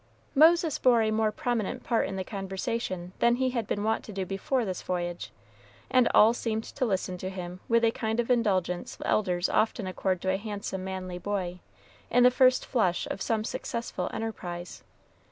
Moses bore a more prominent part in the conversation than he had been wont to do before this voyage, and all seemed to listen to him with a kind of indulgence elders often accord to a handsome, manly boy, in the first flush of some successful enterprise.